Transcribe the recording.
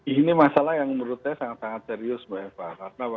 ini masalah yang menurut saya sangat sangat serius mbak eva